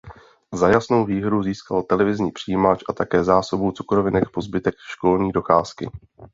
Za jasnou výhru získal televizní přijímač a také zásobu cukrovinek po zbytek školní docházky.